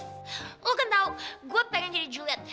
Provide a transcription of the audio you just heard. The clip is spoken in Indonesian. lo kan tahu gue pengen jadi juliet